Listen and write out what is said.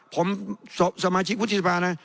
ผมสมาชิกวุฒิภานะ